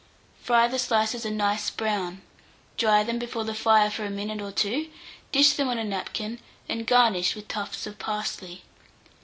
Fry the slices a nice brown, dry them before the fire for a minute or two, dish them on a napkin, and garnish with tufts of parsley.